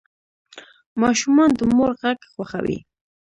ماشومان د مور غږ خوښوي.